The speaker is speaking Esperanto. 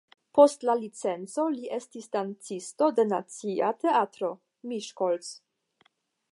Post la licenco li estis dancisto de Nacia Teatro (Miskolc).